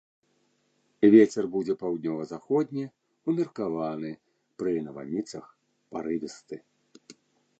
Вецер будзе паўднёва-заходні, умеркаваны, пры навальніцах парывісты.